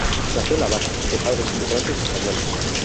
Nació en La Habana, de padres inmigrantes españoles.